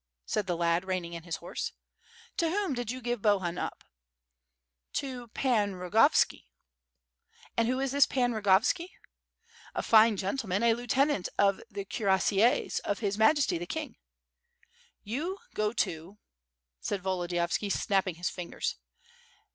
said the lad reining in his horse. "To whom did you give Bohun up?" 43 6y4 W/rF FIRE AND SWORD. "To Pan Rogovski." "And who is this Pan Rogovski?'^ "A fine gentleman; a lieutenant of the cuirassiers of His Majesty, the King/^ "You go to " said Volodiyovski, snapping his fingers.